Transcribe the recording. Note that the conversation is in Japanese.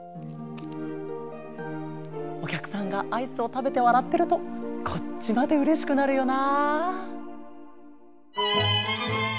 おきゃくさんがアイスをたべてわらってるとこっちまでうれしくなるよな。